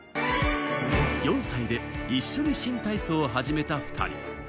４歳で一緒に新体操を始めた２人。